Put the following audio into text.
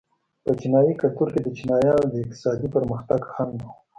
په چینايي کلتور کې د چینایانو د اقتصادي پرمختګ خنډ و.